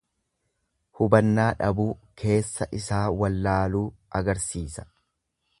Hubannaa dhabuu, keessa isaa wallaaluu agarsiisa.